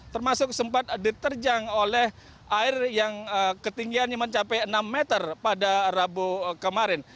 termasuk sempat diterjang oleh air yang ketinggiannya mencapai enam meter pada rabu kemarin